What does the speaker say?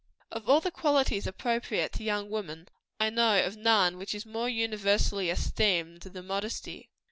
Of all the qualities appropriate to young women, I know of none which is more universally esteemed than modesty.